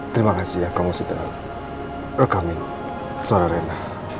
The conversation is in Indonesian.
terima kasih ya kamu sudah rekamin suara rena